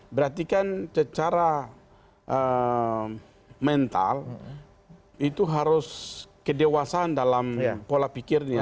berarti kan secara mental itu harus kedewasaan dalam pola pikirnya